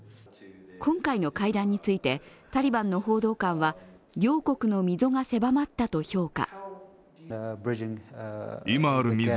今回の会談について、タリバンの報道官は両国の溝が狭まったと評価。